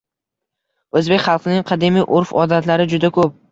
Oʻzbek xalqining qadimiy urf-odatlari juda koʻp